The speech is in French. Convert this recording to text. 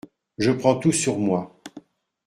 Je prends tout sur moi…